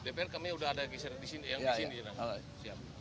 dpr kami udah ada yang disini